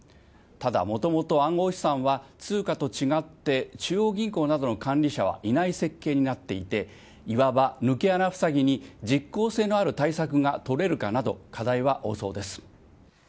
ただもともと暗号資産は通貨と違って、中央銀行などの管理者はいない設計になっていて、いわば抜け穴塞ぎに実効性のある対策が取れるかなど、課題は多そうです。